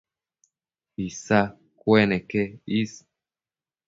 Isa cueneque is